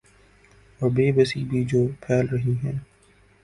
اوربے بسی بھی جو پھیل رہی ہیں۔